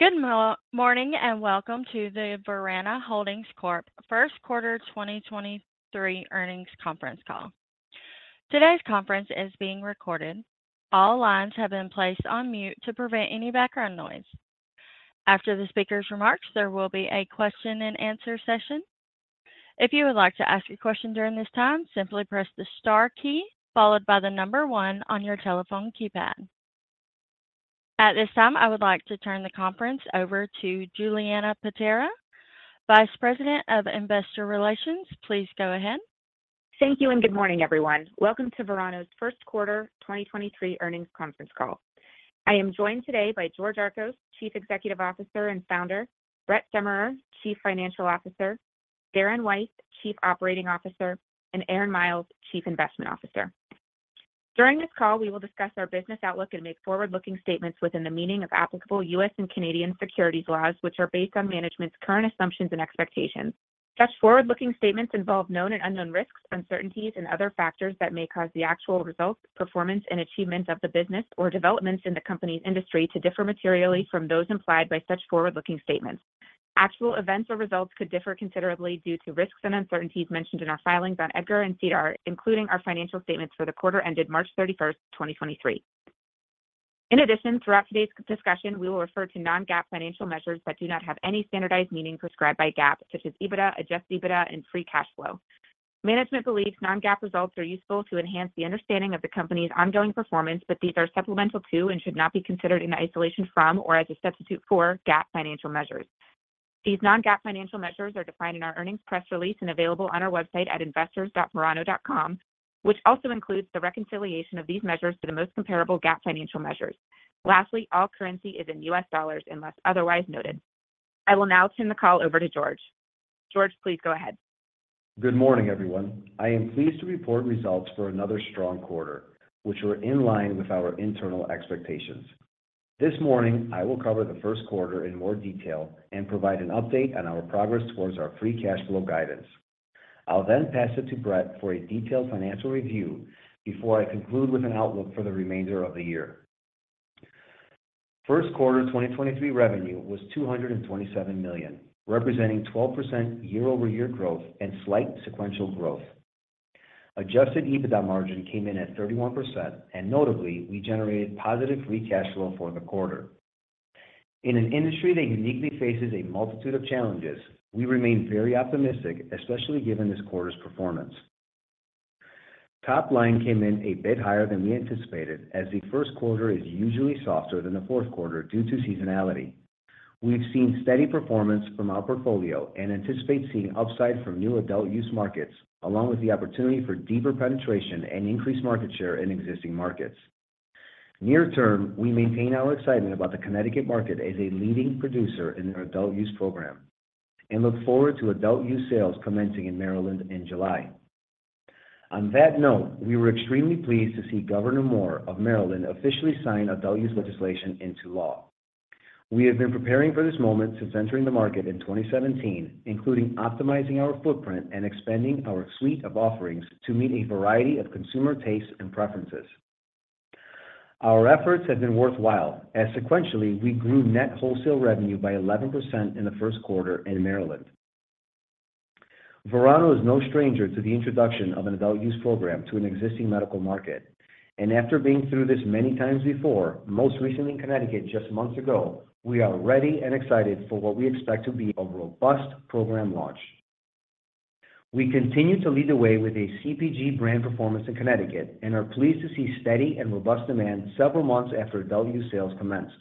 Good morning, and welcome to the Verano Holdings Corp First Quarter 2023 Earnings Conference Call. Today's conference is being recorded. All lines have been placed on mute to prevent any background noise. After the speaker's remarks, there will be a question and answer session. If you would like to ask a question during this time, simply press the star key followed by the one on your telephone keypad. At this time, I would like to turn the conference over to Julianna Paterra, Vice President of Investor Relations. Please go ahead. Thank you, and good morning, everyone. Welcome to Verano's first quarter 2023 earnings conference call. I am joined today by George Archos, Chief Executive Officer and Founder, Brett Summerer, Chief Financial Officer, Darren Weiss, Chief Operating Officer, and Aaron Miles, Chief Investment Officer. During this call, we will discuss our business outlook and make forward-looking statements within the meaning of applicable US and Canadian securities laws, which are based on management's current assumptions and expectations. Such forward-looking statements involve known and unknown risks, uncertainties and other factors that may cause the actual results, performance and achievements of the business or developments in the company's industry to differ materially from those implied by such forward-looking statements. Actual events or results could differ considerably due to risks and uncertainties mentioned in our filings on EDGAR and SEDAR, including our financial statements for the quarter ended March 31st, 2023. In addition, throughout today's discussion, we will refer to non-GAAP financial measures that do not have any standardized meaning prescribed by GAAP, such as EBITDA, adjusted EBITDA and free cash flow. Management believes non-GAAP results are useful to enhance the understanding of the company's ongoing performance, but these are supplemental to and should not be considered in isolation from or as a substitute for GAAP financial measures. These non-GAAP financial measures are defined in our earnings press release and available on our website at investors.verano.com, which also includes the reconciliation of these measures to the most comparable GAAP financial measures. Lastly, all currency is in US dollars unless otherwise noted. I will now turn the call over to George. George, please go ahead. Good morning, everyone. I am pleased to report results for another strong quarter, which were in line with our internal expectations. This morning, I will cover the first quarter in more detail and provide an update on our progress towards our free cash flow guidance. I'll pass it to Brett for a detailed financial review before I conclude with an outlook for the remainder of the year. First quarter 2023 revenue was $227 million, representing 12% year-over-year growth and slight sequential growth. Adjusted EBITDA margin came in at 31%, and notably, we generated positive free cash flow for the quarter. In an industry that uniquely faces a multitude of challenges, we remain very optimistic, especially given this quarter's performance. Top line came in a bit higher than we anticipated, as the first quarter is usually softer than the fourth quarter due to seasonality. We've seen steady performance from our portfolio and anticipate seeing upside from new adult use markets, along with the opportunity for deeper penetration and increased market share in existing markets. Near term, we maintain our excitement about the Connecticut market as a leading producer in their adult use program and look forward to adult use sales commencing in Maryland in July. On that note, we were extremely pleased to see Governor Moore of Maryland officially sign adult use legislation into law. We have been preparing for this moment since entering the market in 2017, including optimizing our footprint and expanding our suite of offerings to meet a variety of consumer tastes and preferences. Our efforts have been worthwhile. As sequentially, we grew net wholesale revenue by 11% in the first quarter in Maryland. Verano is no stranger to the introduction of an adult use program to an existing medical market. After being through this many times before, most recently in Connecticut just months ago, we are ready and excited for what we expect to be a robust program launch. We continue to lead the way with a CPG brand performance in Connecticut and are pleased to see steady and robust demand several months after adult use sales commenced.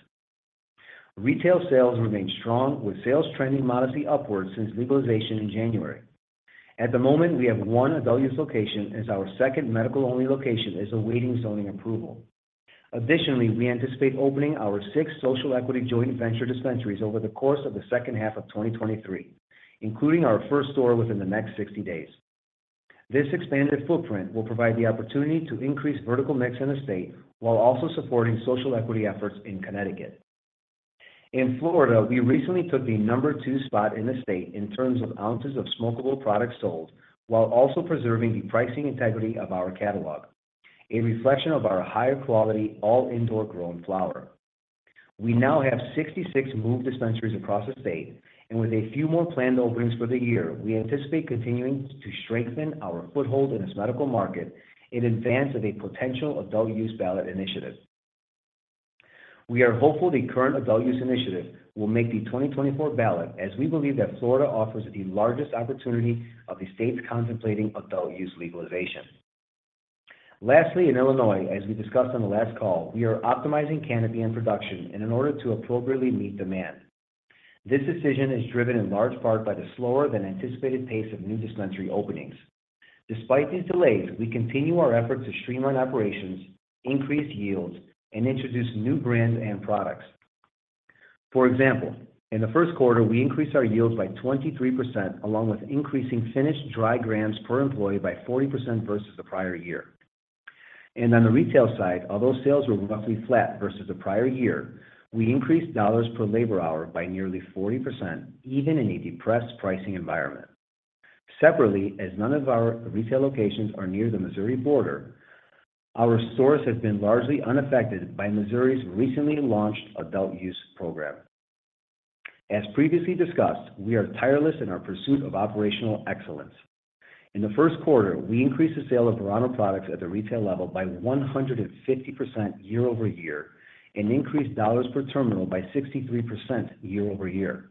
Retail sales remain strong with sales trending modestly upwards since legalization in January. At the moment, we have one adult use location as our second medical-only location is awaiting zoning approval. Additionally, we anticipate opening our sixth social equity joint venture dispensaries over the course of the second half of 2023, including our first store within the next 60 days. This expanded footprint will provide the opportunity to increase vertical mix in the state while also supporting social equity efforts in Connecticut. In Florida, we recently took the number two spot in the state in terms of ounces of smokable products sold, while also preserving the pricing integrity of our catalog, a reflection of our higher quality all indoor grown flower. We now have 66 moved dispensaries across the state, and with a few more planned openings for the year, we anticipate continuing to strengthen our foothold in this medical market in advance of a potential adult use ballot initiative. We are hopeful the current adult use initiative will make the 2024 ballot, as we believe that Florida offers the largest opportunity of the states contemplating adult use legalization. Lastly, in Illinois, as we discussed on the last call, we are optimizing canopy and production in an order to appropriately meet demand. This decision is driven in large part by the slower than anticipated pace of new dispensary openings. Despite these delays, we continue our effort to streamline operations, increase yields, and introduce new brands and products. For example, in the first quarter, we increased our yields by 23%, along with increasing finished dry grams per employee by 40% versus the prior year. On the retail side, although sales were roughly flat versus the prior year, we increased dollars per labor hour by nearly 40%, even in a depressed pricing environment. Separately, as none of our retail locations are near the Missouri border, our stores have been largely unaffected by Missouri's recently launched adult use program. As previously discussed, we are tireless in our pursuit of operational excellence. In the first quarter, we increased the sale of Verano products at the retail level by 150% year-over-year and increased dollars per terminal by 63% year-over-year.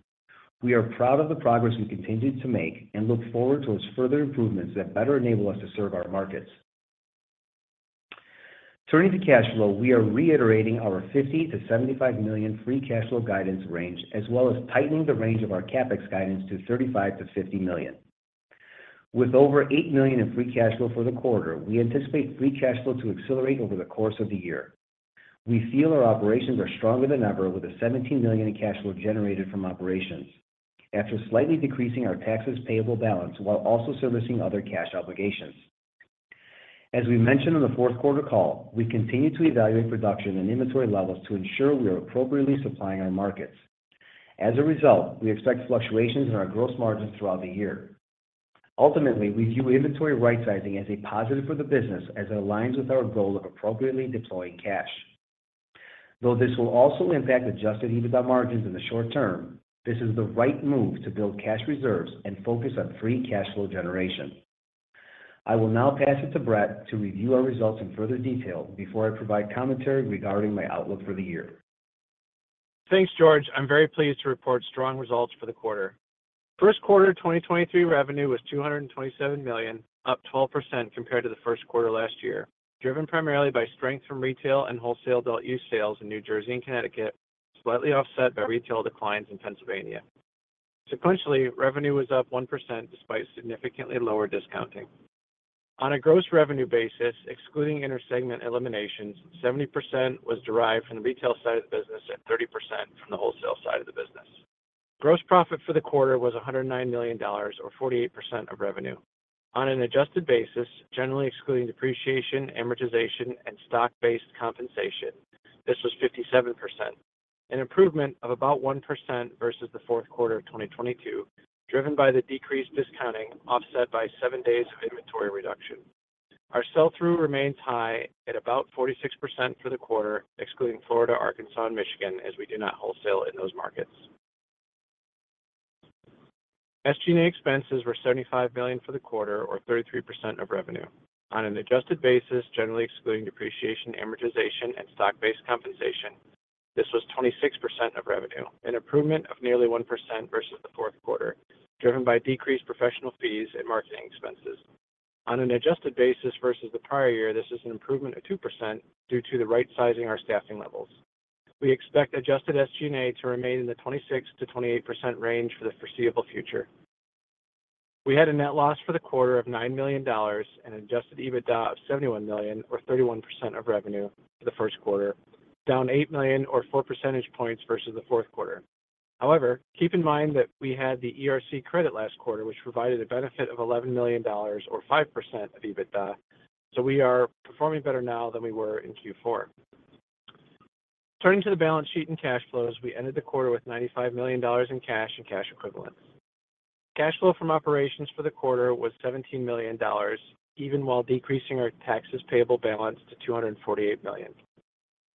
We are proud of the progress we continue to make and look forward towards further improvements that better enable us to serve our markets. Turning to cash flow, we are reiterating our $50 million-$75 million free cash flow guidance range, as well as tightening the range of our CapEx guidance to $35 million-$50 million. With over $8 million in free cash flow for the quarter, we anticipate free cash flow to accelerate over the course of the year. We feel our operations are stronger than ever with a $17 million in cash flow generated from operations after slightly decreasing our taxes payable balance while also servicing other cash obligations. As we mentioned on the fourth quarter call, we continue to evaluate production and inventory levels to ensure we are appropriately supplying our markets. As a result, we expect fluctuations in our gross margins throughout the year. Ultimately, we view inventory rightsizing as a positive for the business as it aligns with our goal of appropriately deploying cash. Though this will also impact adjusted EBITDA margins in the short term, this is the right move to build cash reserves and focus on free cash flow generation. I will now pass it to Brett to review our results in further detail before I provide commentary regarding my outlook for the year. Thanks, George. I'm very pleased to report strong results for the quarter. First quarter of 2023 revenue was $227 million, up 12% compared to the first quarter last year, driven primarily by strength from retail and wholesale adult use sales in New Jersey and Connecticut, slightly offset by retail declines in Pennsylvania. Sequentially, revenue was up 1% despite significantly lower discounting. On a gross revenue basis, excluding intersegment eliminations, 70% was derived from the retail side of the business and 30% from the wholesale side of the business. Gross profit for the quarter was $109 million or 48% of revenue. On an adjusted basis, generally excluding depreciation, amortization, and stock-based compensation, this was 57%, an improvement of about 1% versus the fourth quarter of 2022, driven by the decreased discounting offset by seven days of inventory reduction. Our sell-through remains high at about 46% for the quarter, excluding Florida, Arkansas, and Michigan, as we do not wholesale in those markets. SG&A expenses were $75 million for the quarter or 33% of revenue. On an adjusted basis, generally excluding depreciation, amortization, and stock-based compensation, this was 26% of revenue, an improvement of nearly 1% versus the fourth quarter, driven by decreased professional fees and marketing expenses. On an adjusted basis versus the prior year, this is an improvement of 2% due to the right sizing our staffing levels. We expect adjusted SG&A to remain in the 26%-28% range for the foreseeable future. We had a net loss for the quarter of $9 million and adjusted EBITDA of $71 million or 31% of revenue for the first quarter, down $8 million or four percentage points versus the fourth quarter. Keep in mind that we had the ERC credit last quarter, which provided a benefit of $11 million or 5% of EBITDA. We are performing better now than we were in Q4. Turning to the balance sheet and cash flows, we ended the quarter with $95 million in cash and cash equivalents. Cash flow from operations for the quarter was $17 million, even while decreasing our taxes payable balance to $248 million.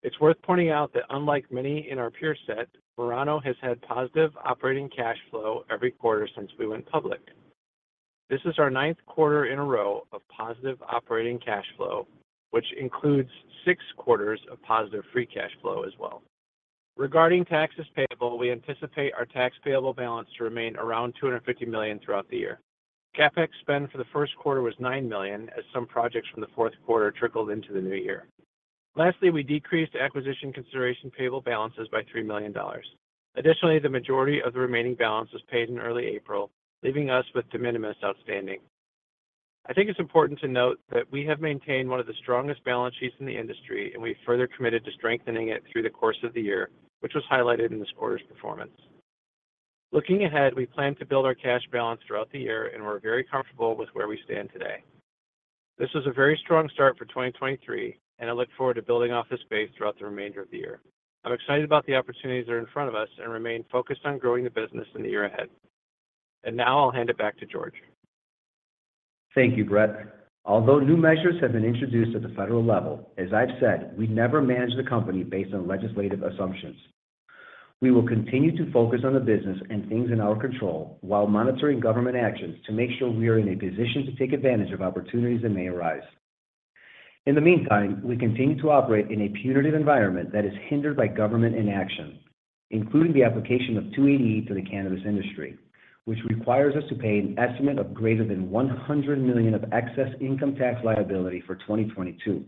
It's worth pointing out that unlike many in our peer set, Verano has had positive operating cash flow every quarter since we went public. This is our ninth quarter in a row of positive operating cash flow, which includes six quarters of positive free cash flow as well. Regarding taxes payable, we anticipate our tax payable balance to remain around $250 million throughout the year. CapEx spend for the first quarter was $9 million, as some projects from the fourth quarter trickled into the new year. Lastly, we decreased acquisition consideration payable balances by $3 million. Additionally, the majority of the remaining balance was paid in early April, leaving us with de minimis outstanding. I think it's important to note that we have maintained one of the strongest balance sheets in the industry. We've further committed to strengthening it through the course of the year, which was highlighted in this quarter's performance. Looking ahead, we plan to build our cash balance throughout the year. We're very comfortable with where we stand today. This was a very strong start for 2023. I look forward to building off this base throughout the remainder of the year. I'm excited about the opportunities that are in front of us and remain focused on growing the business in the year ahead. Now I'll hand it back to George. Thank you, Brett. Although new measures have been introduced at the federal level, as I've said, we never manage the company based on legislative assumptions. We will continue to focus on the business and things in our control while monitoring government actions to make sure we are in a position to take advantage of opportunities that may arise. In the meantime, we continue to operate in a punitive environment that is hindered by government inaction, including the application of 280E to the cannabis industry, which requires us to pay an estimate of greater than $100 million of excess income tax liability for 2022.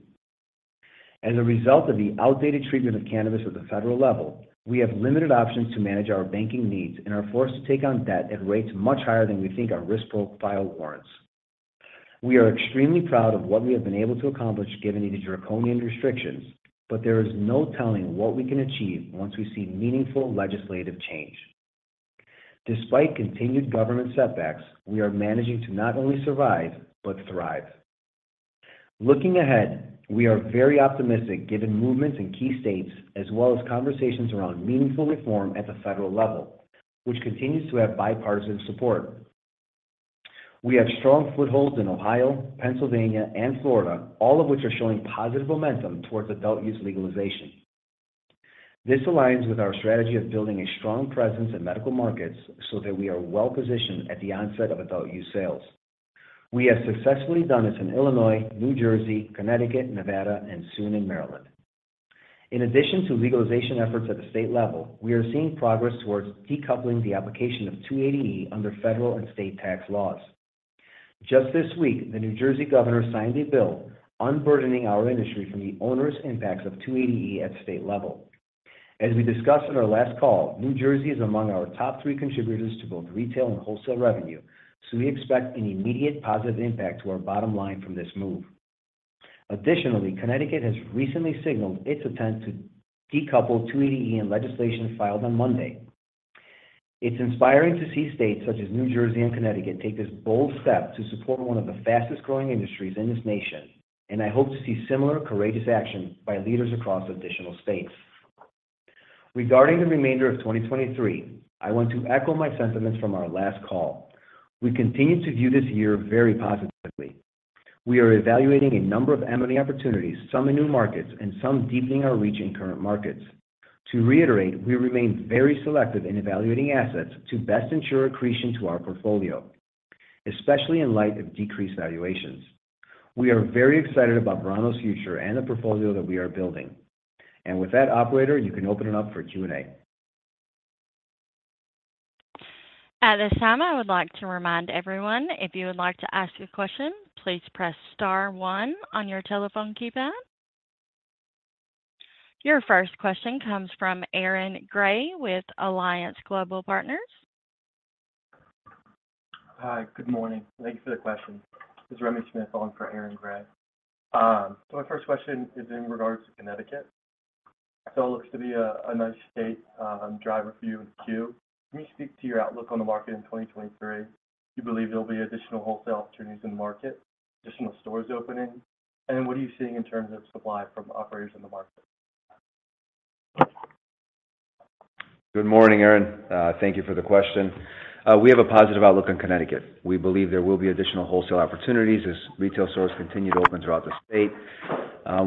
As a result of the outdated treatment of cannabis at the federal level, we have limited options to manage our banking needs and are forced to take on debt at rates much higher than we think our risk profile warrants. We are extremely proud of what we have been able to accomplish given these draconian restrictions, but there is no telling what we can achieve once we see meaningful legislative change. Despite continued government setbacks, we are managing to not only survive, but thrive. Looking ahead, we are very optimistic given movements in key states as well as conversations around meaningful reform at the federal level, which continues to have bipartisan support. We have strong footholds in Ohio, Pennsylvania, and Florida, all of which are showing positive momentum towards adult use legalization. This aligns with our strategy of building a strong presence in medical markets so that we are well-positioned at the onset of adult use sales. We have successfully done this in Illinois, New Jersey, Connecticut, Nevada, and soon in Maryland. In addition to legalization efforts at the state level, we are seeing progress towards decoupling the application of 280E under federal and state tax laws. Just this week, the New Jersey governor signed a bill unburdening our industry from the onerous impacts of 280E at state level. As we discussed in our last call, New Jersey is among our top three contributors to both retail and wholesale revenue, we expect an immediate positive impact to our bottom line from this move. Connecticut has recently signaled its intent to decouple 280E in legislation filed on Monday. It's inspiring to see states such as New Jersey and Connecticut take this bold step to support one of the fastest-growing industries in this nation, I hope to see similar courageous action by leaders across additional states. Regarding the remainder of 2023, I want to echo my sentiments from our last call. We continue to view this year very positively. We are evaluating a number of M&A opportunities, some in new markets and some deepening our reach in current markets. To reiterate, we remain very selective in evaluating assets to best ensure accretion to our portfolio, especially in light of decreased valuations. We are very excited about Verano's future and the portfolio that we are building. With that, operator, you can open it up for Q&A. At this time, I would like to remind everyone if you would like to ask a question, please press star one on your telephone keypad. Your first question comes from Aaron Grey with Alliance Global Partners. Hi. Good morning. Thank you for the question. This is Remington Smith on for Aaron Grey. My first question is in regards to Connecticut. It looks to be a nice state driver for you in Q. Can you speak to your outlook on the market in 2023? Do you believe there'll be additional wholesale opportunities in the market, additional stores opening? What are you seeing in terms of supply from operators in the market? Good morning, Aaron. Thank you for the question. We have a positive outlook on Connecticut. We believe there will be additional wholesale opportunities as retail stores continue to open throughout the state.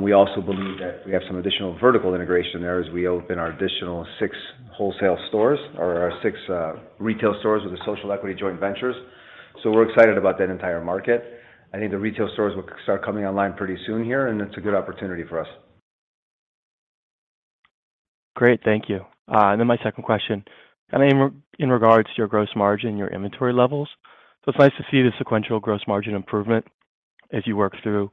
We also believe that we have some additional vertical integration there as we open our additional six wholesale stores or our six retail stores with the social equity joint ventures. We're excited about that entire market. I think the retail stores will start coming online pretty soon here, and it's a good opportunity for us. Great. Thank you. Then my second question, kind of in regards to your gross margin, your inventory levels. It's nice to see the sequential gross margin improvement as you work through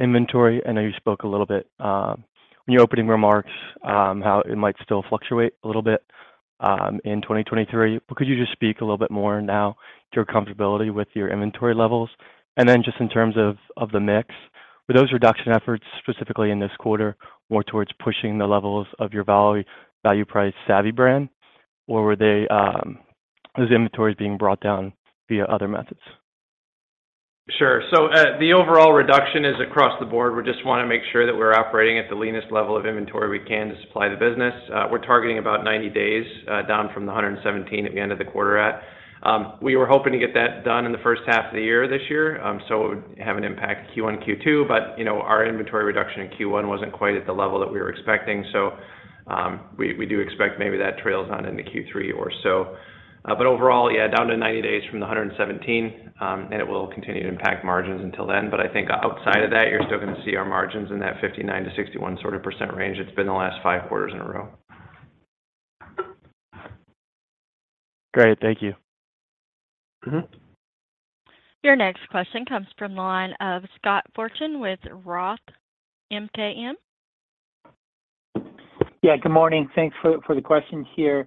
inventory. I know you spoke a little bit in your opening remarks, how it might still fluctuate a little bit in 2023. Could you just speak a little bit more now to your comfortability with your inventory levels? Then just in terms of the mix, were those reduction efforts, specifically in this quarter, more towards pushing the levels of your value price Savvy brand, or were they, those inventories being brought down via other methods? Sure. The overall reduction is across the board. We just wanna make sure that we're operating at the leanest level of inventory we can to supply the business. We're targeting about 90 days down from the 117 at the end of the quarter at. We were hoping to get that done in the first half of the year this year, so it would have an impact in Q1 and Q2, you know, our inventory reduction in Q1 wasn't quite at the level that we were expecting. We do expect maybe that trails on into Q3 or so. Overall, yeah, down to 90 days from the 117, and it will continue to impact margins until then. I think outside of that, you're still gonna see our margins in that 59%-61% sort of range it's been the last five quarters in a row. Great. Thank you. Mm-hmm. Your next question comes from the line of Scott Fortune with Roth MKM. Yeah. Good morning. Thanks for the questions here.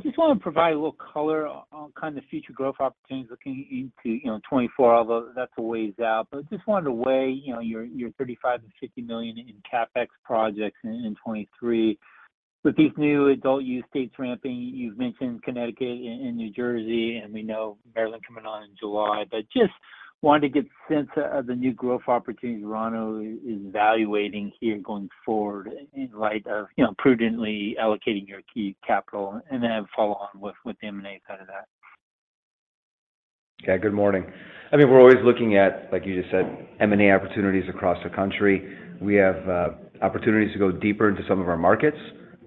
just wanna provide a little color on kind of future growth opportunities looking into, you know, 2024, although that's a ways out. just wanted to weigh, you know, your $35 million-$50 million in CapEx projects in 2023. With these new adult use states ramping, you've mentioned Connecticut and New Jersey, and we know Maryland coming on in July, just wanted to get the sense of the new growth opportunities Verano is evaluating here going forward in light of, you know, prudently allocating your key capital, and then a follow-on with the M&A side of that. Okay. Good morning. I mean, we're always looking at, like you just said, M&A opportunities across the country. We have opportunities to go deeper into some of our markets,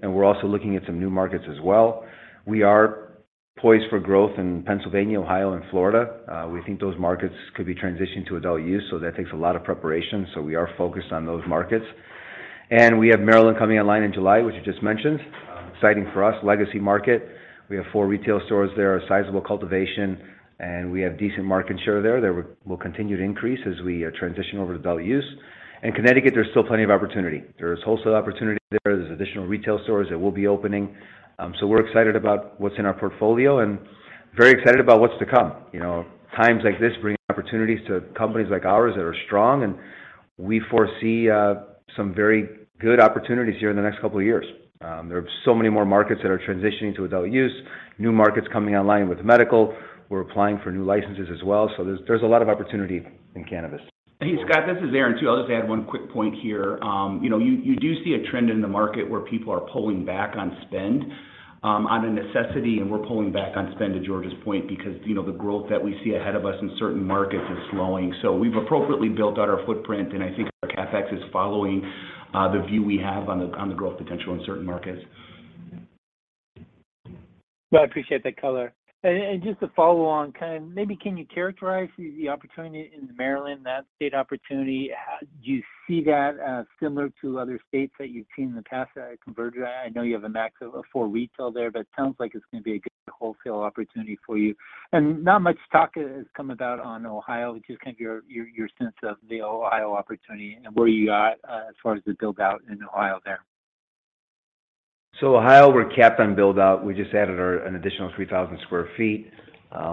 and we're also looking at some new markets as well. We are poised for growth in Pennsylvania, Ohio, and Florida. We think those markets could be transitioned to adult use, so that takes a lot of preparation, so we are focused on those markets. We have Maryland coming online in July, which you just mentioned. Exciting for us, legacy market. We have four retail stores there, a sizable cultivation, and we have decent market share there that will continue to increase as we transition over to adult use. In Connecticut, there's still plenty of opportunity. There's wholesale opportunity there. There's additional retail stores that we'll be opening. We're excited about what's in our portfolio and very excited about what's to come. You know, times like this bring opportunities to companies like ours that are strong. We foresee some very good opportunities here in the next couple of years. There are so many more markets that are transitioning to adult use, new markets coming online with medical. We're applying for new licenses as well. There's a lot of opportunity in cannabis. Hey, Scott, this is Aaron, too. I'll just add one quick point here. you know, you do see a trend in the market where people are pulling back on spend, out of necessity, and we're pulling back on spend, to George's point, because, you know, the growth that we see ahead of us in certain markets is slowing. We've appropriately built out our footprint, and I think our CapEx is following the view we have on the growth potential in certain markets. Well, I appreciate that color. Just to follow on, kind of maybe can you characterize the opportunity in Maryland, that state opportunity? Do you see that as similar to other states that you've seen in the past at Convergint? I know you have a max of four retail there, but it sounds like it's gonna be a good wholesale opportunity for you. Not much talk has come about on Ohio. Just kind of your sense of the Ohio opportunity and where you are at as far as the build-out in Ohio there. Ohio, we're capped on build-out. We just added our, an additional 3,000 sq ft.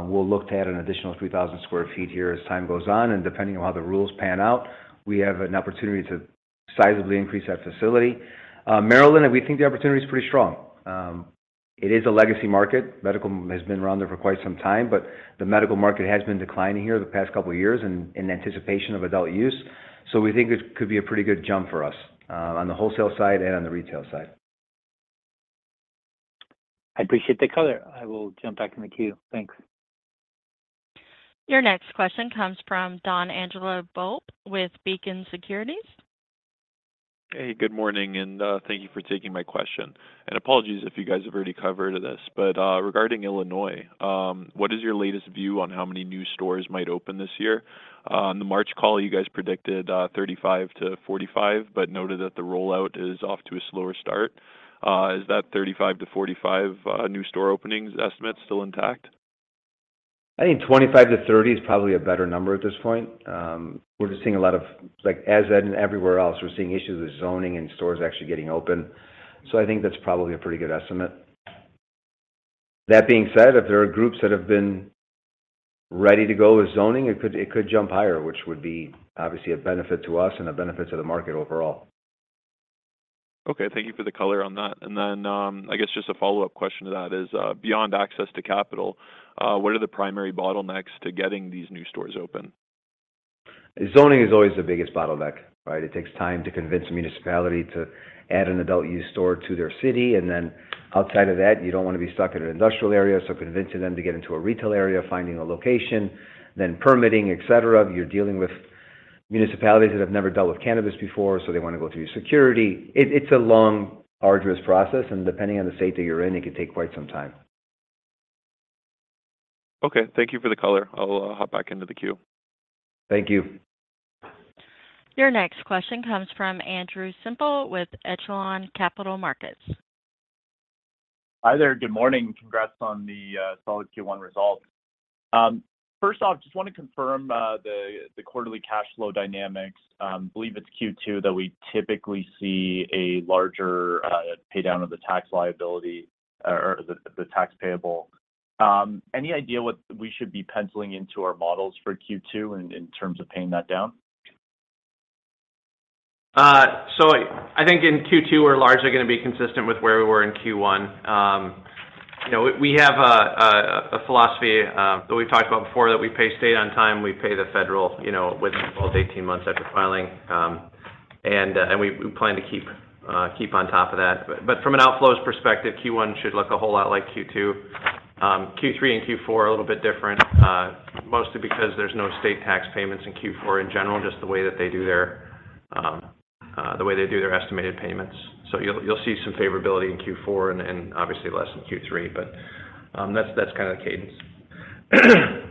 We'll look to add an additional 3,000 sq ft here as time goes on, and depending on how the rules pan out, we have an opportunity to sizably increase that facility. Maryland, we think the opportunity is pretty strong. It is a legacy market. Medical has been around there for quite some time, but the medical market has been declining here the past couple of years in anticipation of adult use. We think it could be a pretty good jump for us, on the wholesale side and on the retail side. I appreciate the color. I will jump back in the queue. Thanks. Your next question comes from Donangelo Volpe with Beacon Securities. Good morning, thank you for taking my question. Apologies if you guys have already covered this. Regarding Illinois, what is your latest view on how many new stores might open this year? On the March call, you guys predicted 35-45, but noted that the rollout is off to a slower start. Is that 35-45 new store openings estimate still intact? I think 25-30 is probably a better number at this point. We're just seeing a lot of Like, as in everywhere else, we're seeing issues with zoning and stores actually getting open. I think that's probably a pretty good estimate. That being said, if there are groups that have been ready to go with zoning, it could jump higher, which would be obviously a benefit to us and a benefit to the market overall. Okay. Thank you for the color on that. I guess just a follow-up question to that is, beyond access to capital, what are the primary bottlenecks to getting these new stores open? Zoning is always the biggest bottleneck, right? It takes time to convince a municipality to add an adult use store to their city. Outside of that, you don't wanna be stuck in an industrial area. Convincing them to get into a retail area, finding a location, then permitting, et cetera. You're dealing with municipalities that have never dealt with cannabis before. They wanna go through security. It's a long, arduous process. Depending on the state that you're in, it could take quite some time. Okay. Thank you for the color. I'll hop back into the queue. Thank you. Your next question comes from Andrew Semple with Echelon Capital Markets. Hi there. Good morning. Congrats on the solid Q1 results. First off, just want to confirm the quarterly cash flow dynamics. Believe it's Q2 that we typically see a larger pay down of the tax liability or the tax payable. Any idea what we should be penciling into our models for Q2 in terms of paying that down? I think in Q2, we're largely gonna be consistent with where we were in Q1. You know, we have a philosophy that we've talked about before that we pay state on time, we pay the federal, you know, within 12 to 18 months after filing. We plan to keep on top of that. From an outflows perspective, Q1 should look a whole lot like Q2. Q3 and Q4 are a little bit different, mostly because there's no state tax payments in Q4 in general, just the way that they do their, the way they do their estimated payments. You'll see some favorability in Q4 and obviously less in Q3. That's kind of the cadence.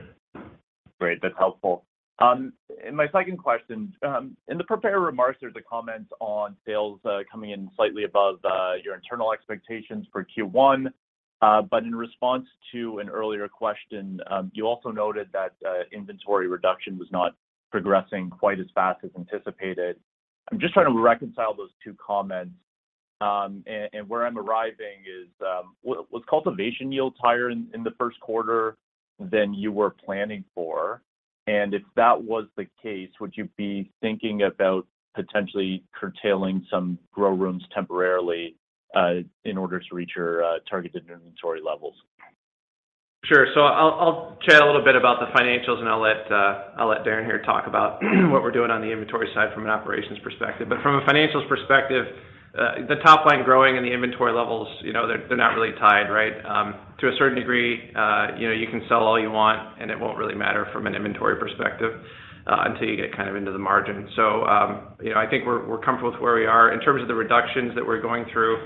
Great. That's helpful. My second question. In the prepared remarks, there's a comment on sales coming in slightly above your internal expectations for Q1. In response to an earlier question, you also noted that inventory reduction was not progressing quite as fast as anticipated. I'm just trying to reconcile those two comments. Where I'm arriving is, was cultivation yields higher in the first quarter than you were planning for? If that was the case, would you be thinking about potentially curtailing some grow rooms temporarily in order to reach your targeted inventory levels? Sure. I'll chat a little bit about the financials, and I'll let Darren here talk about what we're doing on the inventory side from an operations perspective. From a financials perspective, the top line growing and the inventory levels, you know, they're not really tied, right? To a certain degree, you know, you can sell all you want, and it won't really matter from an inventory perspective, until you get kind of into the margin. You know, I think we're comfortable with where we are. In terms of the reductions that we're going through,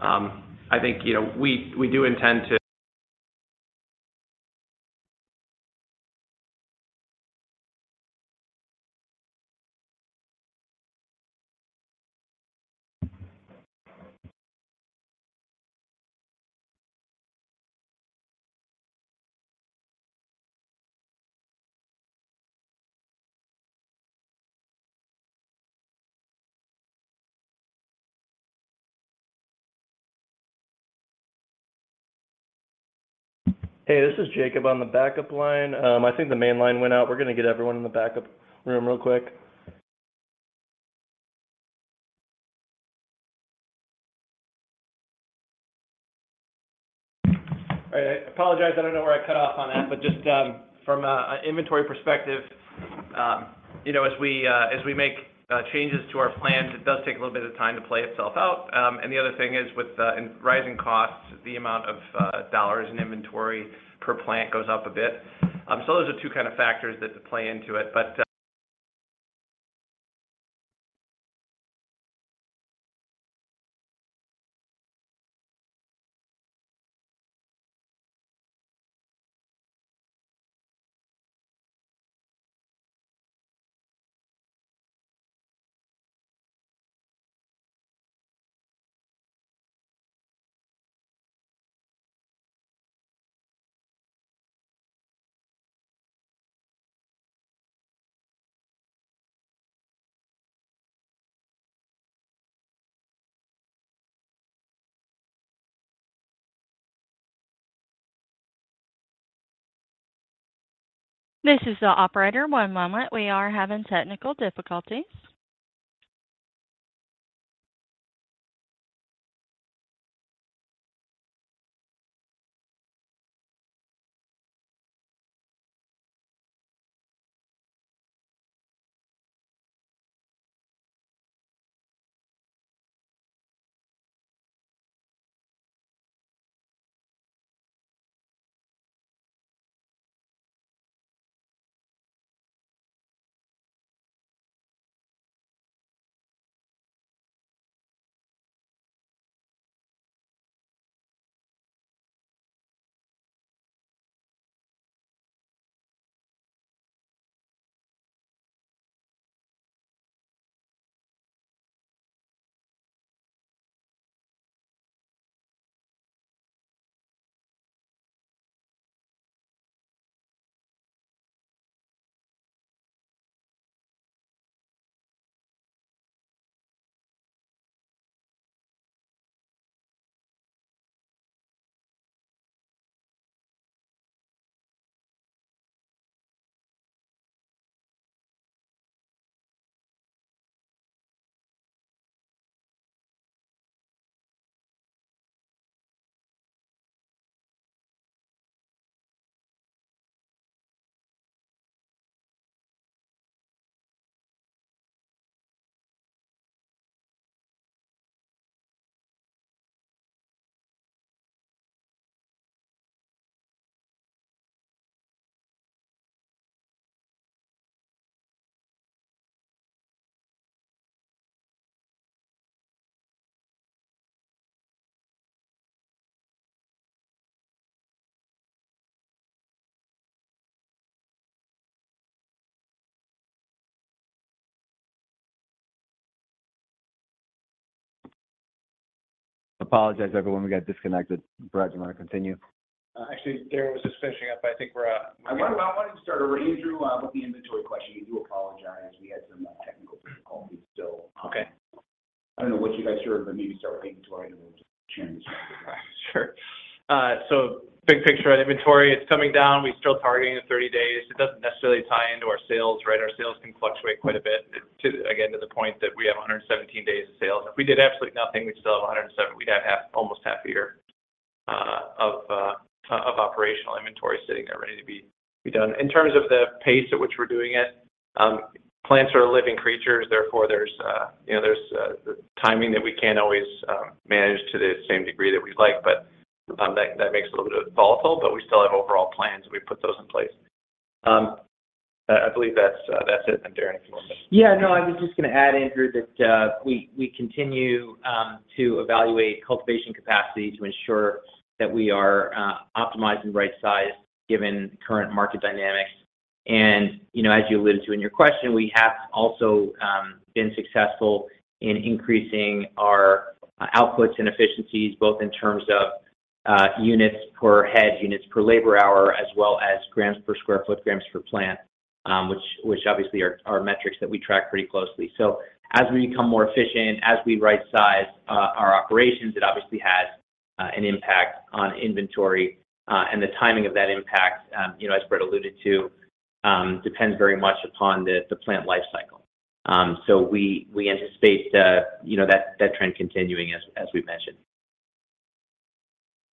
I think, you know, we do intend. Hey, this is Jacob on the backup line. I think the main line went out. We're gonna get everyone in the backup room real quick. All right. I apologize, I don't know where I cut off on that, but just, from an inventory perspective, you know, as we, as we make, changes to our plans, it does take a little bit of time to play itself out. The other thing is, and rising costs, the amount of dollars in inventory per plant goes up a bit. Those are two kind of factors that play into it. This is the operator. One moment. We are having technical difficulties. Apologize, everyone. We got disconnected. Brad, do you wanna continue? actually, Darren was just finishing up. I think we're. I wonder why don't you start over, Andrew, with the inventory question. I do apologize, we had some technical difficulties still. Okay. I don't know what you guys heard, but maybe start with inventory and then we'll just change. Sure. Big picture on inventory, it's coming down. We're still targeting the 30 days. It doesn't necessarily tie into our sales, right? Our sales can fluctuate quite a bit to, again, to the point that we have 117 days of sales. If we did absolutely nothing, we'd still have 107. We'd have half, almost half a year, of operational inventory sitting there ready to be done. In terms of the pace at which we're doing it, plants are living creatures, therefore there's, you know, there's timing that we can't always manage to the same degree that we'd like, but that makes it a little bit volatile, we still have overall plans. We put those in place. I believe that's it. Darren, if you want to- I was just gonna add, Andrew, that we continue to evaluate cultivation capacity to ensure that we are optimized and right-sized given current market dynamics. You know, as you alluded to in your question, we have also been successful in increasing our outputs and efficiencies, both in terms of units per head, units per labor hour, as well as grams per sq ft, grams per plant, which obviously are metrics that we track pretty closely. As we become more efficient, as we right size our operations, it obviously has an impact on inventory. The timing of that impact, you know, as Brett alluded to, depends very much upon the plant life cycle. We anticipate, you know, that trend continuing as we mentioned.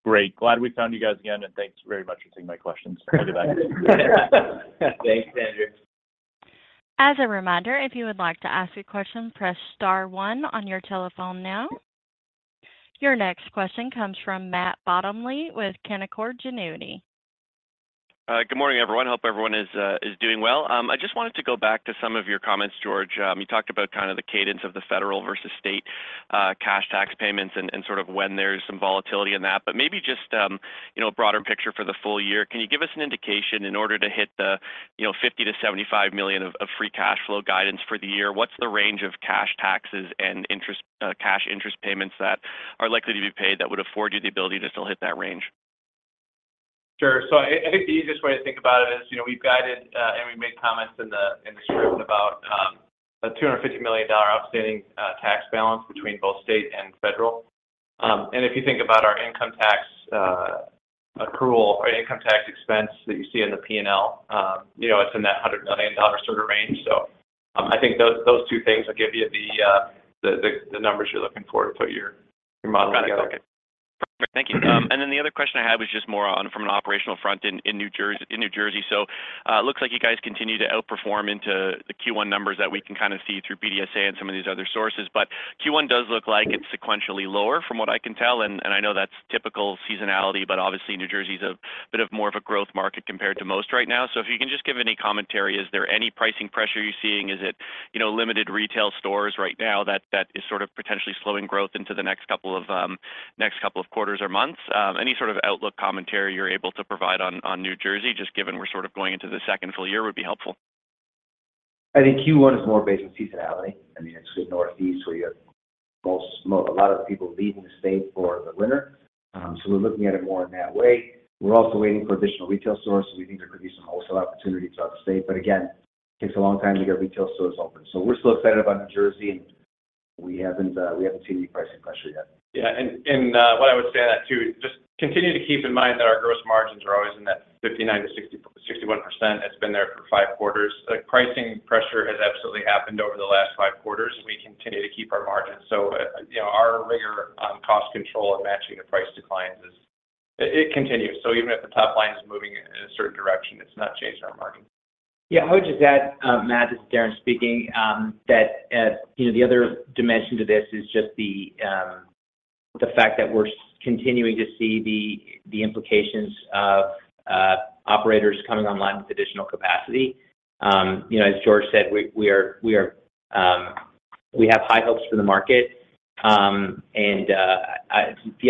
Great. Glad we found you guys again, and thanks very much for taking my questions. I'll get back. Thanks, Andrew. As a reminder, if you would like to ask a question, press star one on your telephone now. Your next question comes from Matt Bottomley with Canaccord Genuity. Good morning, everyone. Hope everyone is doing well. I just wanted to go back to some of your comments, George. You talked about kind of the cadence of the federal versus state cash tax payments and sort of when there's some volatility in that. Maybe just, you know, a broader picture for the full year. Can you give us an indication in order to hit the, you know, $50 million-$75 million of free cash flow guidance for the year, what's the range of cash taxes and interest cash interest payments that are likely to be paid that would afford you the ability to still hit that range? Sure. I think the easiest way to think about it is, you know, we've guided, and we made comments in the script about a $250 million outstanding tax balance between both state and federal. If you think about our income tax accrual or income tax expense that you see in the P&L, you know, it's in that $100 million sort of range. I think those two things will give you the numbers you're looking for to put your model together. Okay. Perfect. Thank you. The other question I had was just more on from an operational front in New Jersey. Looks like you guys continue to outperform into the Q1 numbers that we can kind of see through BDSA and some of these other sources. Q1 does look like it's sequentially lower from what I can tell, and I know that's typical seasonality, but obviously New Jersey's a bit of more of a growth market compared to most right now. If you can just give any commentary, is there any pricing pressure you're seeing? Is it, you know, limited retail stores right now that is sort of potentially slowing growth into the next couple of quarters or months? Any sort of outlook commentary you're able to provide on New Jersey, just given we're sort of going into the second full year would be helpful. I think Q1 is more based on seasonality. I mean, it's the Northeast, where you have a lot of the people leaving the state for the winter, so we're looking at it more in that way. We're also waiting for additional retail stores, so we think there could be some wholesale opportunity throughout the state. Again, takes a long time to get retail stores open. We're still excited about New Jersey, and we haven't seen any pricing pressure yet. Yeah. What I would say on that too, just continue to keep in mind that our gross margins are always in that 59%-61%. It's been there for five quarters. The pricing pressure has absolutely happened over the last five quarters, and we continue to keep our margins. You know, our rigor on cost control and matching the price to clients is. It continues. Even if the top line is moving in a certain direction, it's not changing our margin. Yeah. I would just add, Matt, this is Darren speaking, that, you know, the other dimension to this is just the fact that we're continuing to see the implications of operators coming online with additional capacity. You know, as George said, We have high hopes for the market. The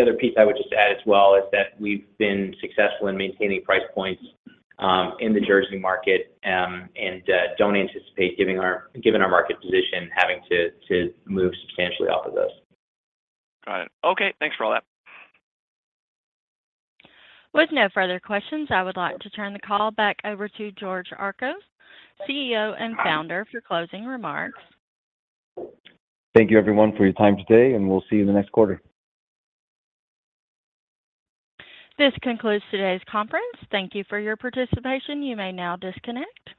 other piece I would just add as well is that we've been successful in maintaining price points in the Jersey market, and don't anticipate given our market position, having to move substantially off of those. Got it. Thanks for all that. With no further questions, I would like to turn the call back over to George Archos, CEO and Founder, for closing remarks. Thank you everyone for your time today, and we'll see you the next quarter. This concludes today's conference. Thank you for your participation. You may now disconnect.